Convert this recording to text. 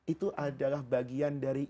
itu adalah bagian dari